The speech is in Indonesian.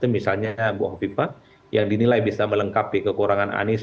misalnya bu hovipa yang dinilai bisa melengkapi kekurangan anies